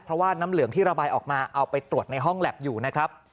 เพราะว่าน้ำเหลืองที่ระบายออกมาเอาไปตรวจในห้องแล็บอยู่นะครับ